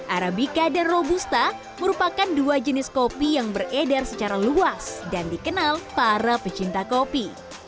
arabica dan robusta merupakan dua jenis kopi yang beredar secara luas dan dikenal para pecinta kopi